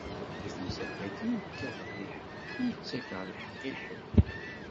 Di temsalt-agi, ur d-kkateɣ di ḥedd, ur ttakkeɣ lheqq i ḥedd.